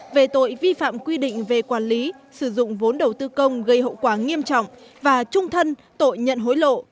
về tội vi phạm quy định về quản lý sử dụng vốn đầu tư công gây hậu quả nghiêm trọng và trung thân tội nhận hối lộ